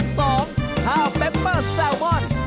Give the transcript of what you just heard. ข้าวเปปเปอร์แซลมอน